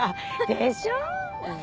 でしょう？